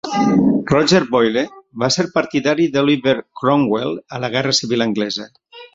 En Roger Boyle va ser partidari d'Oliver Cromwell a la guerra civil anglesa.